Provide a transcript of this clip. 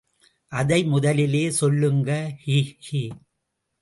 அதை முதலிலே சொல்லுங்க ஹி, ஹி!